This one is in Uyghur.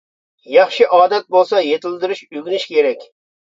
ياخشى ئادەت بولسا يېتىلدۈرۈش، ئۆگىنىش كېرەك.